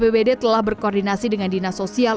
pihak bpbd telah berkoordinasi dengan dinas sosial